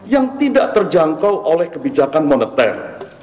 yang tidak terjangkau oleh kebijakan moneter